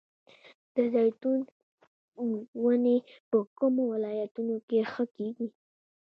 د زیتون ونې په کومو ولایتونو کې ښه کیږي؟